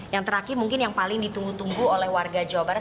yang terakhir mungkin yang paling ditunggu tunggu oleh warga jawa barat